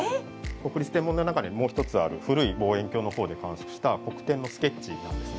国立天文台の中にもう一つある古い望遠鏡のほうで観測した黒点のスケッチなんですね。